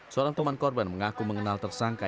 seorang teman korban mengaku mengenal tersangka